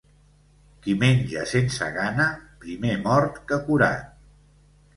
Qui menja sense gana, primer mort que curat.